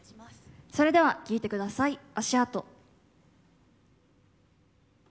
それでは聴いてください